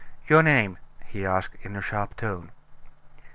"Your name?" he asked in a sharp tone.